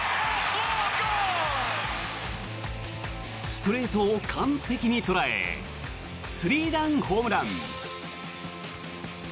ストレートを完璧に捉えスリーランホームラン。